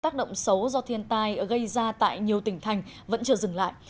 tác động xấu do thiên tai gây ra tại nhiều tỉnh thành vẫn chưa dừng lại